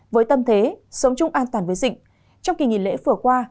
với tâm thế sống chung an toàn với dịch trong kỳ nghỉ lễ vừa qua